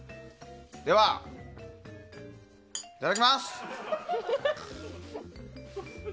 では、いただきます。